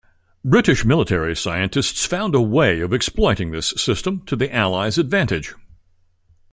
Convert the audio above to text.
British military scientists found a way of exploiting this system to the allies' advantage.